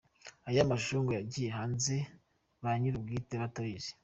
Aya mashusho ngo yagiye hanze ba nyir’ubwite batabizi.